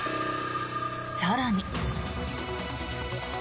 更に。